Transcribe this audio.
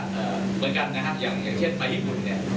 เหมือนกันนะครับอย่างอย่างเช่นไปญี่ปุ่นเนี่ย